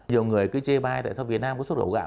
nhiều người cứ chê bai tại sao việt nam có xuất khẩu gạo